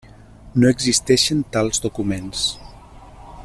No existeixen tals documents.